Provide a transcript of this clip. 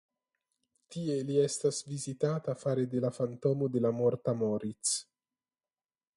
Tie li estas vizitita fare de la fantomo de la morta Moritz.